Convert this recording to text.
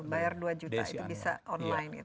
bayar dua juta itu bisa online